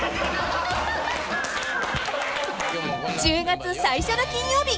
［１０月最初の金曜日］